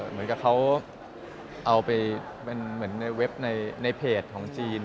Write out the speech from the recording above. เหมือนกับเค้าเอาไปเป็นเว็บในเพจของจีน